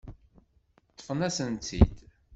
Ṭṭfent-asen-tt-id.